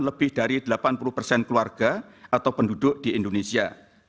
lebih dari delapan puluh persen keluarga atau penduduk di indonesia